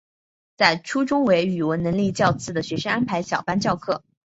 在初中为语文能力较次的学生安排小班授课。